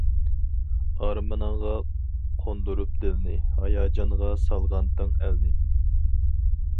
ئارمىنىڭغا قوندۇرۇپ دىلنى، ھاياجانغا سالغانتىڭ ئەلنى.